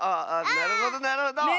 なるほどなるほど。ね。